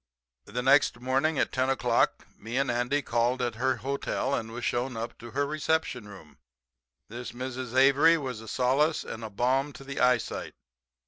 "The next morning at 10 o'clock me and Andy called at her hotel, and was shown up to her reception room. "This Mrs. Avery was a solace and a balm to the eyesight.